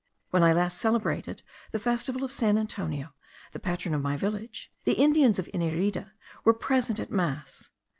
When I last celebrated the festival of San Antonio, the patron of my village, the Indians of Inirida were present at mass.